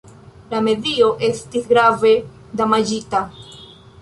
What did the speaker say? La medio estis grave damaĝita.